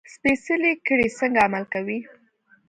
سپېڅلې کړۍ څنګه عمل کوي.